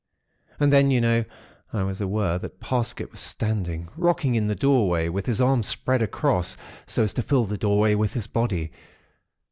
And then, you know, I was aware that Parsket was standing rocking in the doorway, with his arms spread across, so as to fill the doorway with his body.